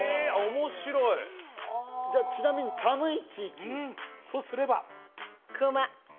面白いじゃあちなみに寒い地域とすれば？